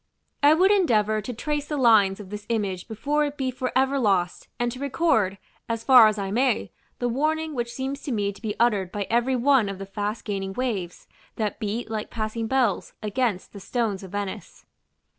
I would endeavor to trace the lines of this image before it be for ever lost, and to record, as far as I may, the warning which seems to me to be uttered by every one of the fast gaining waves, that beat, like passing bells, against the STONES OF VENICE.